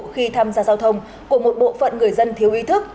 khi tham gia giao thông của một bộ phận người dân thiếu ý thức